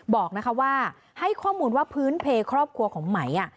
บอกว่าให้ข้อมูลว่าพื้นเพลย์ครอบครัวของไหม